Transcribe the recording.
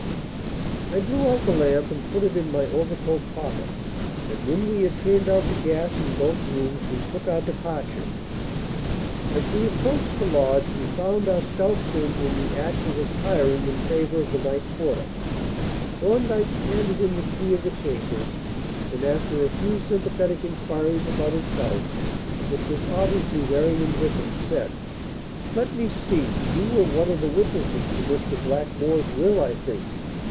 I blew out the lamp and put it in my overcoat pocket, and, when we had turned out the gas in both rooms, we took our departure. As we approached the lodge, we found our stout friend in the act of retiring in favour of the night porter. Thorndyke handed him the key of the chambers, and, after a few sympathetic inquiries, about his health which was obviously very indifferent said: "Let me see; you were one of the witnesses to Mr. Blackmore's will, I think?"